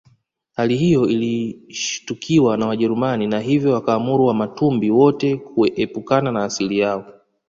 Hali hiyo ilishtukiwa na Wajerumani na hivyo wakaamuru Wamatumbi wote kuepukana na asili yao